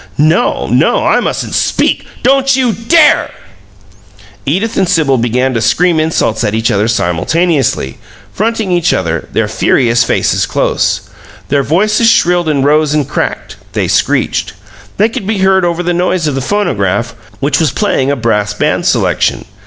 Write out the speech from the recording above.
"No! No! I mustn't SPEAK " "Don't you DARE!" Edith and Sibyl began to scream insults at each other simultaneously, fronting each other, their furious faces close. Their voices shrilled and rose and cracked they screeched. They could be heard over the noise of the phonograph, which was playing a brass band selection.